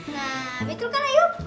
nah betul kan ayub